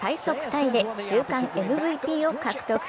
タイで週間ＭＶＰを獲得。